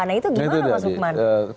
nah itu gimana pak sukman